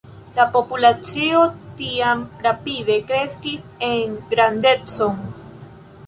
La populacio tiam rapide kreskis en grandeco.